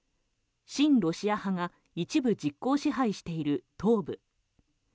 親ロシア派が一部実効支配している東部。